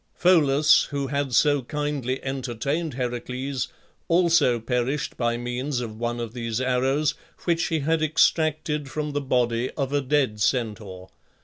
Pholus, who had so kindly entertained Heracles, also perished by means of one of these arrows, which he had extracted from the body of a dead Centaur.